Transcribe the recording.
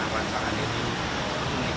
rancangan ini unik